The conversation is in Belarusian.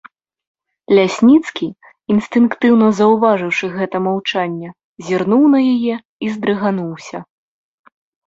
Лясніцкі, інстынктыўна заўважыўшы гэта маўчанне, зірнуў на яе і здрыгануўся.